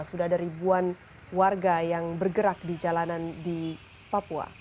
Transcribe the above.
sudah ada ribuan warga yang bergerak di jalanan di papua